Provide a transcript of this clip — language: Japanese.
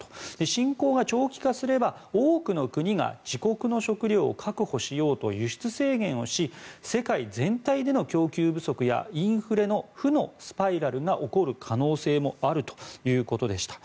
侵攻が長期化すれば、多くの国が自国の食糧を確保しようと輸出制限をし世界全体での供給不足やインフレの負のスパイラルが起こる可能性もあるということでした。